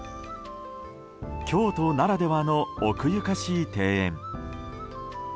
京都ならではの奥ゆかしい庭園。